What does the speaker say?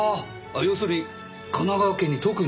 要するに神奈川県に特に意味はない？